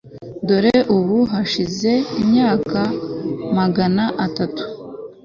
dore ubu hashize imyaka magana atatu